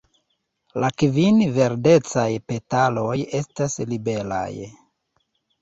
La kvin verdecaj petaloj estas liberaj.